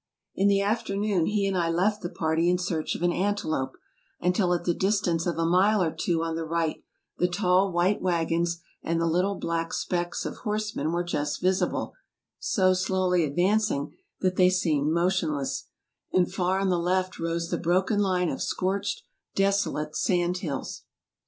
In the afternoon he and I left the party in search of an antelope, until at the distance of a mile or two on the right the tall, white wagons and the little black specks of horse men were just visible, so slowly advancing that they seemed motionless; and far on the left rose the broken line of scorched, desolate sand hills.